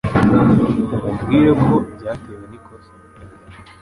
umubwire ko byatewe n'ikosa